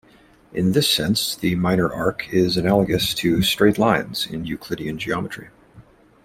In this sense, the minor arc is analogous to "straight lines" in Euclidean geometry.